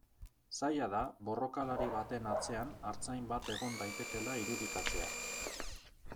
Zaila da borrokalari baten atzean artzain bat egon daitekeela irudikatzea.